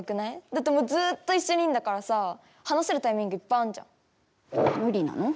だって、もうずっと一緒にいるんだからさ話せるタイミングいっぱいあるじゃん。